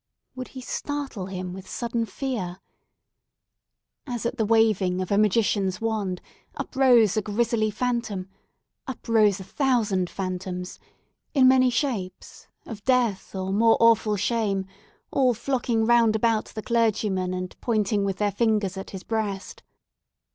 Would he startle him with sudden fear? As at the waving of a magician's wand, up rose a grisly phantom—up rose a thousand phantoms—in many shapes, of death, or more awful shame, all flocking round about the clergyman, and pointing with their fingers at his breast!